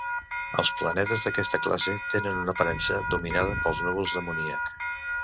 Els planetes d'aquesta classe tenen una aparença dominada pels núvols d'amoníac.